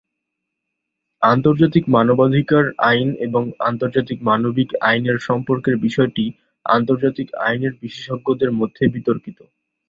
আন্তর্জাতিক মানবাধিকার আইন এবং আন্তর্জাতিক মানবিক আইনের সম্পর্কের বিষয়টি আন্তর্জাতিক আইন বিশেষজ্ঞদের মধ্যে বিতর্কিত।